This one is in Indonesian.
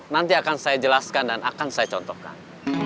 nanti akan saya jelaskan dan akan saya contohkan